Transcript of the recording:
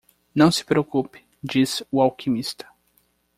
"Não se preocupe?", disse o alquimista.